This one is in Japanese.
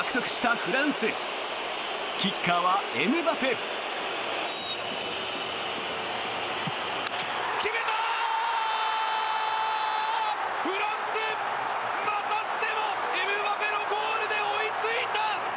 フランス、またしてもエムバペのゴールで追いついた！